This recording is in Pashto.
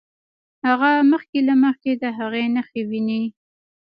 هغه مخکې له مخکې د هغې نښې ويني.